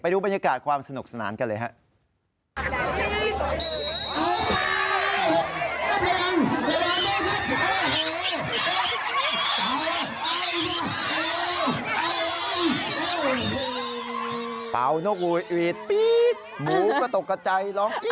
ดูบรรยากาศความสนุกสนานกันเลยครับ